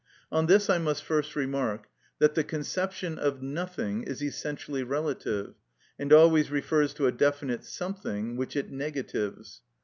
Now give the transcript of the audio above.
On this I must first remark, that the conception of nothing is essentially relative, and always refers to a definite something which it negatives.